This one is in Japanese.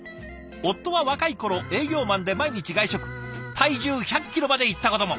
「夫は若い頃営業マンで毎日外食体重１００キロまでいったことも。